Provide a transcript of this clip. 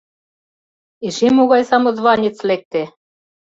Эше могай самозванец лекте?